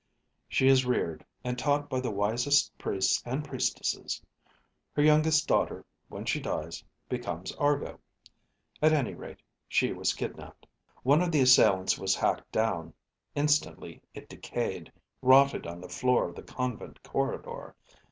She is reared and taught by the wisest priests and priestesses. Her youngest daughter, when she dies, becomes Argo. At any rate, she was kidnaped. One of the assailants was hacked down; instantly it decayed, rotted on the floor of the convent corridor.